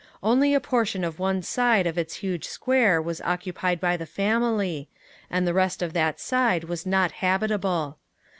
Only a portion of one side of its huge square was occupied by the family, and the rest of that side was not habitable.